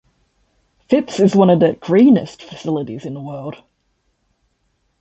Phipps is one of the "greenest" facilities in the world.